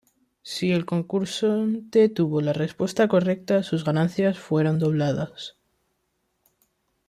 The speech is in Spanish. Si el concursante tuvo la respuesta correcta, sus ganancias fueron doblados.